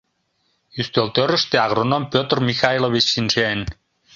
Ӱстелтӧрыштӧ агроном Петр Михайлович шинчен.